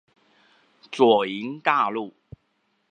左營大路